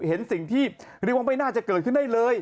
เห็นสิ่งที่เรียกว่าไม่น่าจะเกิดขึ้นได้เลย